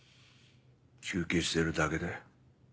休憩してるだけだよ。